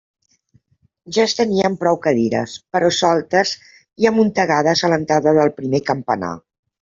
Ja es tenien prou cadires, però soltes i amuntegades a l'entrada del primer campanar.